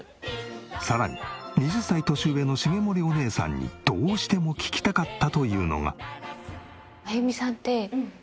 さらに２０歳年上の茂森おねえさんにどうしても聞きたかったというのが。